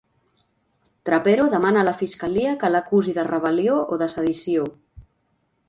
Trapero demana a la fiscalia que l'acusi de rebel·lió o de sedició.